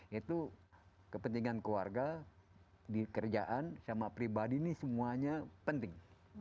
itu kepentingan keluarga dikerjaan sama pribadi ini semuanya penting